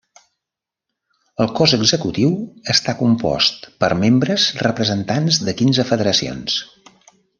El Cos Executiu està compost per membres representants de quinze federacions.